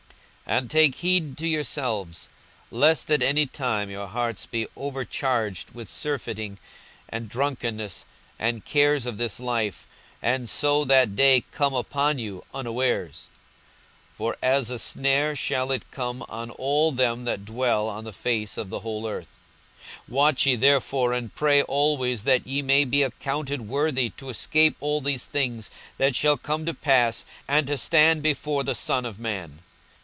42:021:034 And take heed to yourselves, lest at any time your hearts be overcharged with surfeiting, and drunkenness, and cares of this life, and so that day come upon you unawares. 42:021:035 For as a snare shall it come on all them that dwell on the face of the whole earth. 42:021:036 Watch ye therefore, and pray always, that ye may be accounted worthy to escape all these things that shall come to pass, and to stand before the Son of man.